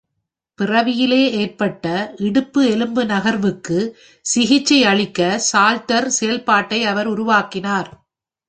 பிறவியிலேயே ஏற்பட்ட இடுப்பு எலும்பு நகர்வுக்கு சிகிச்சை அளிக்க சால்ட்டர் செயல்பாட்டை அவர் உருவாக்கினார்.